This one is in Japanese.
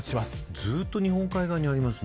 ずっと日本海側にありますね。